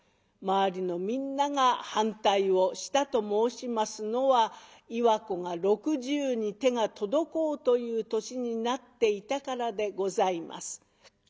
周りのみんなが反対をしたと申しますのは岩子が６０に手が届こうという年になっていたからでございます。